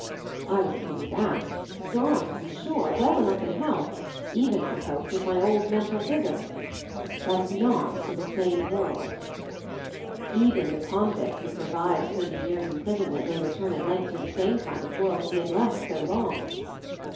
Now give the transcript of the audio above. I was coming back; strong to be sure; well enough in health; even, I hoped, with my old mental vigor — but not to the same world. Even the convict who survives thirty years imprisonment, may return at length to the same kind of world he had left so long.